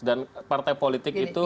dan partai politik itu